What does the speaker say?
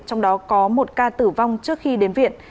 trong đó có một ca tử vong trước khi đến viện